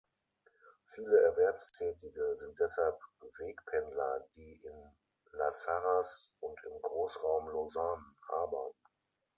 Viele Erwerbstätige sind deshalb Wegpendler, die in La Sarraz und im Grossraum Lausanne arbeiten.